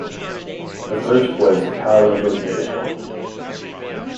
The first was "Power Rangers Ninja Storm".